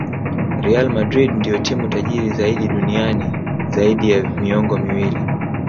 real madrid ndio timu tajiri zaidi duniani zaidi ya miongo miwili